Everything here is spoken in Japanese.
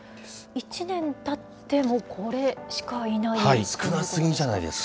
１年たっても、これしかいないんですか。